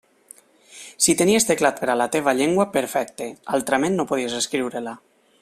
Si tenies teclat per a la teva llengua, perfecte; altrament no podies escriure-la.